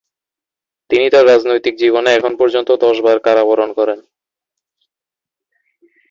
তিনি তার রাজনৈতিক জীবনে এখন পর্যন্ত দশবার কারাবরণ করেন।